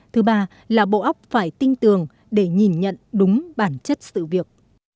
thứ ba là bộ óc phải tinh tường để nhìn nhận đúng bản chất sự việc